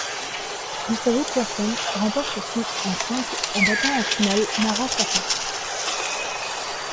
Gustavo Kuerten remporte son en simple en battant en finale Marat Safin.